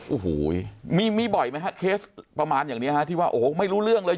โอ้โหมีมีบ่อยไหมฮะเคสประมาณอย่างนี้ฮะที่ว่าโอ้โหไม่รู้เรื่องเลย